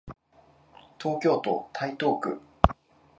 東京都台東区